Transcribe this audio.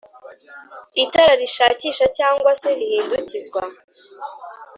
itara rishakisha cg se rihindukizwa